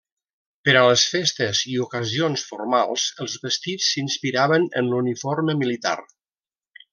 Per a les festes i ocasions formals, els vestits s'inspiraven en l'uniforme militar.